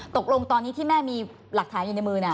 ตกลงตอนนี้ที่แม่มีหลักฐานอยู่ในมือ